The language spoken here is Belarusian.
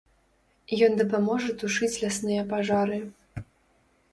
Ён дапаможа тушыць лясныя пажары.